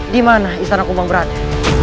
di mana istana kumbang berada